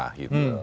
cukup lah itu